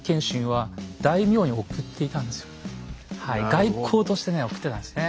外交としてね贈ってたんですね。